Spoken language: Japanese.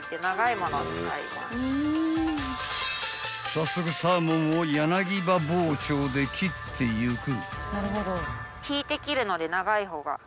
［早速サーモンを柳刃包丁で切っていく］